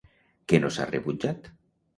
Què no s'ha rebutjat?